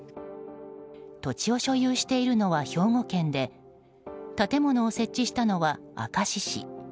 土地を所有しているのは兵庫県で建物を設置したのは明石市。